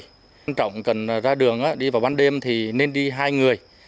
nói chung là quan trọng cần ra đường đi vào ban đêm thì nên đi hai người